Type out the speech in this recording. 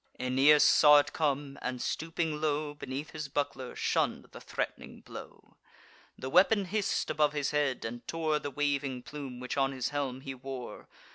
Aeneas saw it come, and, stooping low Beneath his buckler, shunn'd the threat'ning blow. The weapon hiss'd above his head, and tore The waving plume which on his helm he wore.